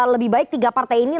lebih baik tiga partai ini